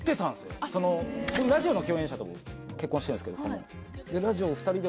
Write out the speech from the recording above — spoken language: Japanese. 僕ラジオの共演者と結婚してるんですけどで